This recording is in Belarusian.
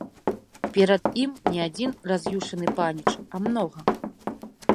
Перад ім не адзін раз'юшаны паніч, а многа.